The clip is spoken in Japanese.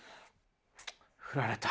振られた。